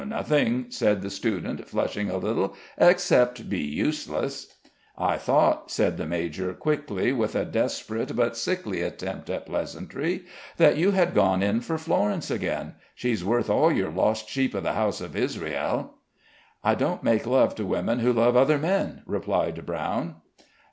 "Nothing," said the student, flushing a little "except be useless." "I thought," said the major, quickly, with a desperate but sickly attempt at pleasantry, "that you had gone in for Florence again; she's worth all your 'lost sheep of the house of Israel.'" "I don't make love to women who love other men," replied Brown.